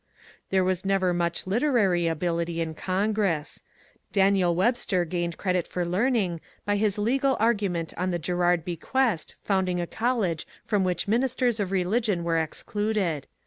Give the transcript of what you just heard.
There was never much literary ability in Congress. Daniel Webster gained credit for learning by his legal argument on the Girard bequest founding a college from which ministers of religion were excluded.